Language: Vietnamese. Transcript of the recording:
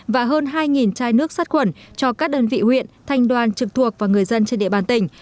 và hơn hai chai nước sát khuẩn cho các đơn vị huyện thanh đoàn trực thuộc và người dân trên địa bàn tỉnh